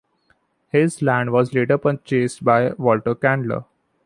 His land was later purchased by Walter Candler.